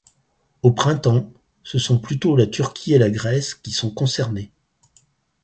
Au printemps, ce sont plutôt la Turquie et la Grèce qui sont concernés.